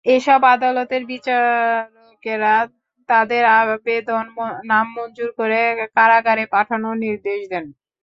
এসব আদালতের বিচারকেরা তাঁদের আবেদন নামঞ্জুর করে কারাগারে পাঠানোর নির্দেশ দেন।